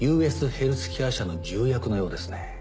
ＵＳヘルスケア社の重役のようですね。